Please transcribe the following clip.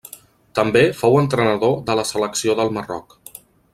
També fou entrenador de la selecció del Marroc.